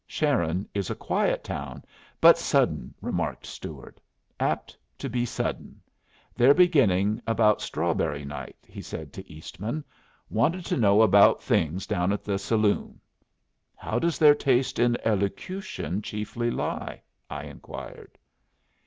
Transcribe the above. "Sharon is a quiet town, but sudden," remarked Stuart. "Apt to be sudden. They're beginning about strawberry night," he said to Eastman. "Wanted to know about things down in the saloon." "How does their taste in elocution chiefly lie?" I inquired.